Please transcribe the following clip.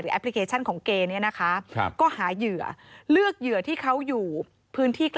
พลิเคชันของเกย์เนี่ยนะคะก็หาเหยื่อเลือกเหยื่อที่เขาอยู่พื้นที่ใกล้